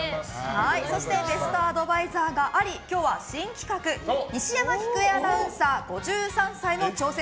そしてベストアドバイザーがあり今日は新企画西山喜久恵アナ５３歳の挑戦